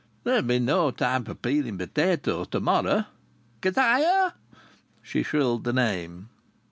There'll be no time for peeling potatoes to morrow. Kezia!" She shrilled the name.